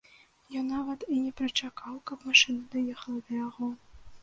Ён нават і не прычакаў, каб машына даехала да яго.